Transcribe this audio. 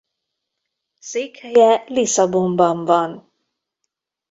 Székhelye Lisszabonban van.